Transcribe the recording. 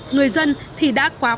người dân thì đã quá quen